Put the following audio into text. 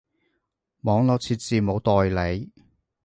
網路設置冇代理